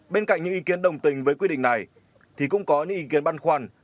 bên cạnh những ý kiến đồng tình với quy định này thì cũng có những ý kiến băn khoăn